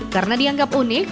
karena dianggap unik